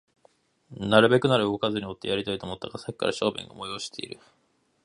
なるべくなら動かずにおってやりたいと思ったが、さっきから小便が催している